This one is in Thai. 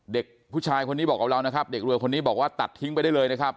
เด็กผู้ชายคนนี้บอกกับเรานะครับเด็กเรือคนนี้บอกว่าตัดทิ้งไปได้เลยนะครับ